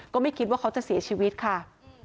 ก็ไม่คิดว่าเขาจะเสียชีวิตค่ะ